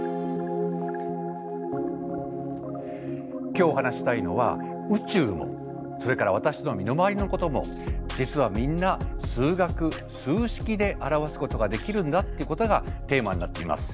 今日お話ししたいのは宇宙もそれから私の身の回りのことも実はみんな数学数式で表すことができるんだっていうことがテーマになっています。